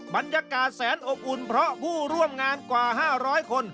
บรรยากาศแสนอบอุ่นเพราะผู้ร่วมงานกว่า๕๐๐คน